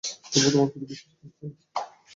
তবুও, তোমার প্রতি বিশ্বাস হারাচ্ছি না।